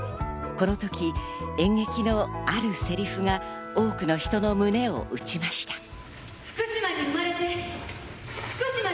このとき演劇のあるセリフが多くの人の胸を打ちました。